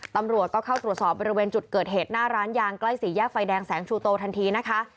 ตำรวจก็เข้าตรวจสอบบริเวณจุดเกิดเหตุหน้าร้านยางใกล้สี่แยกไฟแดงแสงชูโตทันทีนะคะ